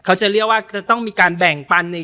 เขาจะเรียกว่าจะต้องมีการแบ่งปันใน